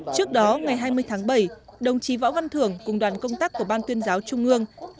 trước đó ngày hai mươi tháng bảy đồng chí võ văn thưởng cùng đoàn công tác của ban tuyên giáo trung ương